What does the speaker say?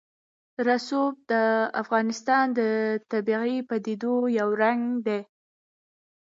رسوب د افغانستان د طبیعي پدیدو یو رنګ دی.